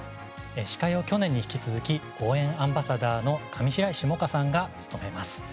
司会を去年に引き続き応援アンバサダーの上白石萌歌さんが務めます。